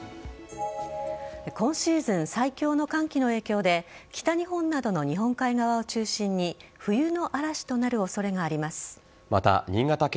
今シーズン最強の寒気の影響で北日本などの日本海側を中心に冬の嵐となる恐れがあります。